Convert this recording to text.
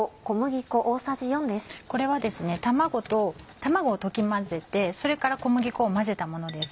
これは卵を溶き混ぜてそれから小麦粉を混ぜたものです。